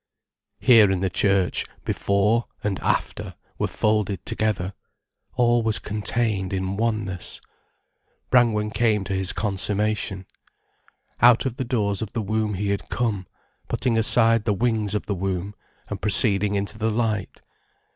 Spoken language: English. Here in the church, "before" and "after" were folded together, all was contained in oneness. Brangwen came to his consummation. Out of the doors of the womb he had come, putting aside the wings of the womb, and proceeding into the light.